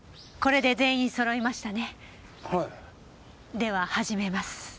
では始めます。